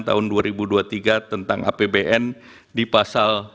nah untuk mengoptimalkan manfaat pada penerima bantuan sosial dan efisiensi